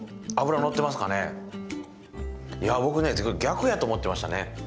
いや僕ね逆やと思ってましたね。